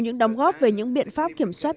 những đóng góp về những biện pháp kiểm soát